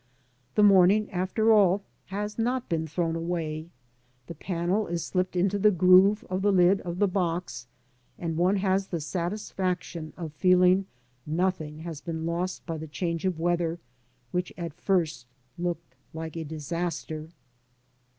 The morning, after all, has not been thrown away. The panel is slipped into the groove of the lid of the box, and one has the satisfaction of feeling nothing has been lost by the change of weather, which at first looked like a disaster.